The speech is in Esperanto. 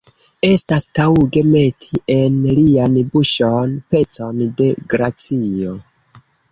Estas taŭge meti en lian buŝon pecon de glacio.